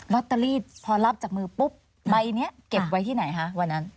ตเตอรี่พอรับจากมือปุ๊บใบนี้เก็บไว้ที่ไหนคะวันนั้น